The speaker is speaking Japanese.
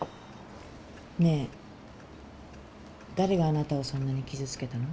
ねえ誰があなたをそんなに傷つけたの？